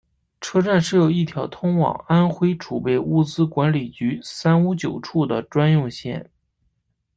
车站设有一条通往安徽储备物资管理局三五九处的专用线。